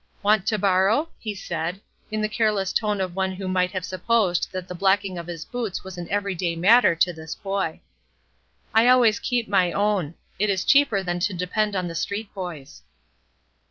"Want to borrow?" he said, in the careless tone of one who might have supposed that the blacking of his boots was an every day matter to this boy. "I always keep my own; it is cheaper than to depend on the street boys."